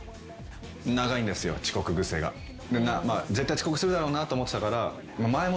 絶対遅刻するだろうなと思ってたから。